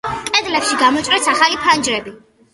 კედლებში გამოჭრეს ახალი ფანჯრები.